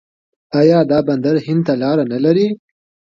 آیا دا بندر هند ته لاره نلري؟